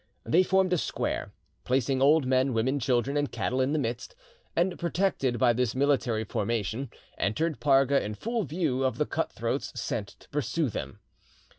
They formed a square, placing old men, women, children, and cattle in the midst, and, protected by this military formation, entered Parga in full view of the cut throats sent to pursue them.